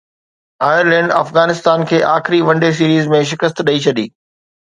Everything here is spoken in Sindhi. آئرلينڊ افغانستان کي آخري ون ڊي سيريز ۾ شڪست ڏئي ڇڏي